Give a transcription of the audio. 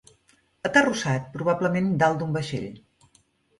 Aterrossat, probablement dalt d'un vaixell.